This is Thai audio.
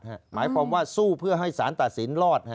หมายความว่าสู้เพื่อให้สารตัดสินรอด